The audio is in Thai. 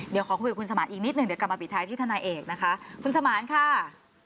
เดี๋ยวขอพูดกับคุณสมานอีกนิดหนึ่งกันมาปิดท้ายที่ธนาเอกนะคะ